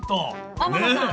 天野さん